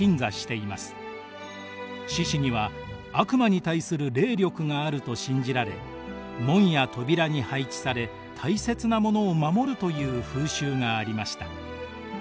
獅子には悪魔に対する霊力があると信じられ門や扉に配置され大切なものを守るという風習がありました。